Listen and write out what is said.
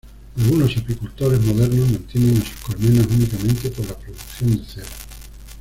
Algunos apicultores modernos mantienen a sus colmenas únicamente por la producción de cera.